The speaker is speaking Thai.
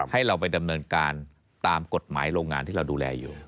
ให้เราไปดำเนินการตามกฎหมายโรงงานที่เราดูแลอยู่